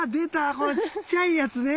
このちっちゃいやつね。